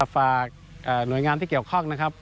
ฝากหน่วยงานที่เกี่ยวข้องนะครับ